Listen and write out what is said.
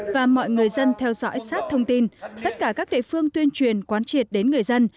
và mọi người dân theo dõi sát thông tin tất cả các địa phương tuyên truyền quán triệt đến người dân